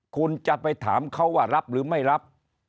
คุณจะไปถามเขาว่ารับหรือไม่รับ